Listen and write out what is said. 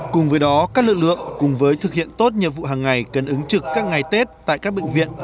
cùng với đó các lực lượng cùng với thực hiện tốt nhiệm vụ hàng ngày cần ứng trực các ngày tết tại các bệnh viện